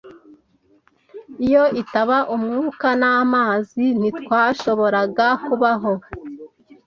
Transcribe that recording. Iyo itaba umwuka n'amazi, ntitwashoboraga kubaho.